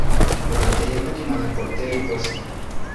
La batería fue tomada por Terry Bozzio.